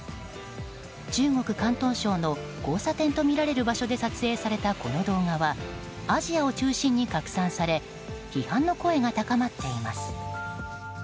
中国・広東省の交差点とみられる場所で撮影されたこの動画はアジアを中心に拡散され批判の声が高まっています。